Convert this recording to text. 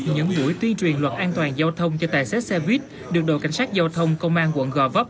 những buổi tuyên truyền luật an toàn giao thông cho tài xế xe buýt được đội cảnh sát giao thông công an quận gò vấp